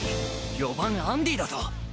４番アンディだぞ！